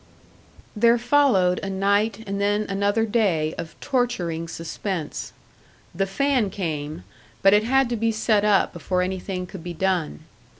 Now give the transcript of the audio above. There followed a night and then another day of torturing suspense. The fan came, but it had to be set up before anything could be done.